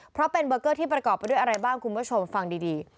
เพราะเป็นเบอร์เกอร์ที่ประกอบไปด้วยอะไรบ้างคุณผู้ชมฟังดี